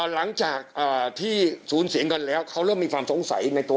หลังจากที่ศูนย์เสียเงินแล้วเขาเริ่มมีความสงสัยในตัว